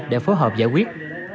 để phối hợp giải quyết